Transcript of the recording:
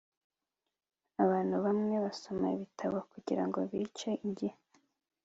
Abantu bamwe basoma ibitabo kugirango bice igihe